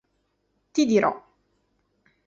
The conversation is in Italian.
Ti dirò